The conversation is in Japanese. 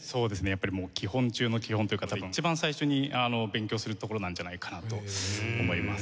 やっぱりもう基本中の基本というか一番最初に勉強するところなんじゃないかなと思います。